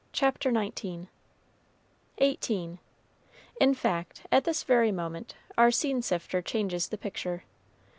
CHAPTER XIX EIGHTEEN In fact, at this very moment our scene shifter changes the picture.